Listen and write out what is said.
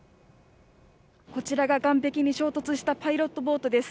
こちらが岸壁に衝突したパイロットボートです。